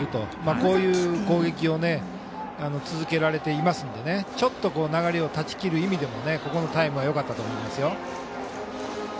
こういう攻撃を続けられていますがちょっと流れを断ち切る意味でもここのタイムはよかったと思います。